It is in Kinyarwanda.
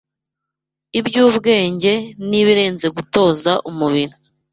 iby’ubwenge n’ibirenze gutoza umubiri